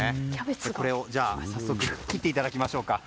これを早速切っていただきましょうか。